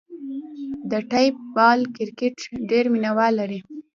د ټیپ بال کرکټ ډېر مینه وال لري.